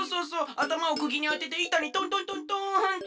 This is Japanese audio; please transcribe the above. あたまをくぎにあてていたにトントントントンって。